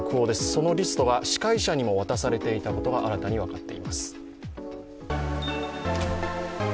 そのリストが司会者にも渡されていたことが新たに分かっています。